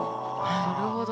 なるほど。